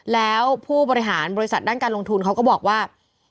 แล้วผู้บริหารบริษัทด้านการลงทุนเขาก็บอกว่า